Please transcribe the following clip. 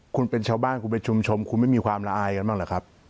คุณเป็นชาวบ้านคุณเป็นชุมชนคุณไม่มีความละอายกันบ้างหรือครับ